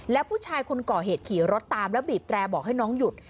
แล้วผู้ชายคนก่อเหตุขี่รถตามแล้วบีบแตรบอกให้น้องหยุด